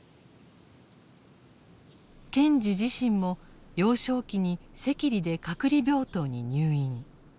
賢治自身も幼少期に赤痢で隔離病棟に入院。